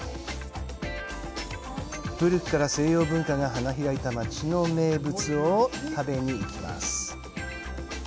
古くから西洋文化が花開いた町の名物を食べに行きます。